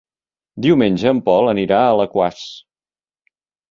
Diumenge en Pol anirà a Alaquàs.